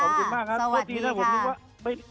ขอบคุณมากครับสวัสดีค่ะ